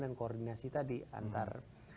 dan koordinasi tadi antar